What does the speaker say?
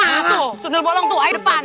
nah tuh sundir bolong tuh ayo depan